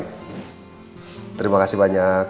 terima kasih banyak